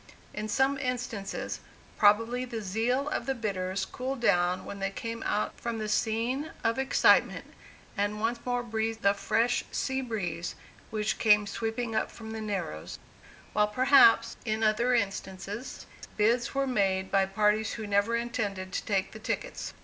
In some instances, probably the zeal of the bidders cooled down when they came out from the scene of excitement, and once more breathed the fresh sea breeze which came sweeping up from "the Narrows," while perhaps, in other instances, bids were made by parties who never intended to take the tickets.